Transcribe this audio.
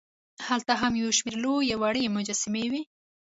هلته هم یوشمېر لوې او وړې مجسمې وې.